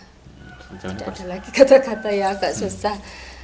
tidak ada lagi kata kata yang agak susah